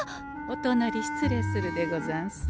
おとなり失礼するでござんす。